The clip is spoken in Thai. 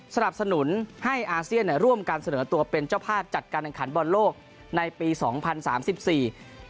สนับสนุนให้อาเซียนเนี่ยร่วมกันเสนอตัวเป็นเจ้าภาพจัดการแข่งขันบอลโลกในปีสองพันสามสิบสี่